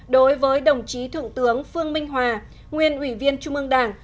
đối với đồng chí thượng tướng phương minh hòa nguyên ủy viên trung ương đảng